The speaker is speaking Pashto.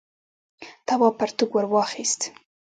تواب پرتوگ ور واخیست.